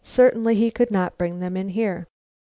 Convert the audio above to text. Certainly he could not bring them in here.